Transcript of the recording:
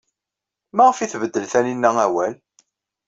Maɣef ay tbeddel Taninna awal?